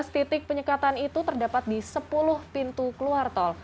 tiga belas titik penyekatan itu terdapat di sepuluh pintu keluar tol